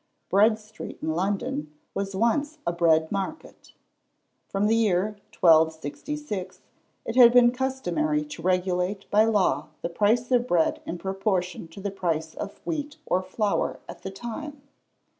Bread street, in London, was once a bread market. From the year 1266, it had been customary to regulate by law the price of bread in proportion to the price of wheat or flour at the time.